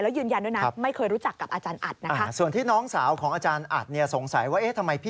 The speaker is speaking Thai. และยืนยันด้วยนะไม่เคยรู้จักกับอาจารย์อัดนะครับ